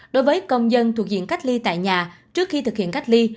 đối với công dân thuộc diện cách ly tại nhà trước khi thực hiện cách ly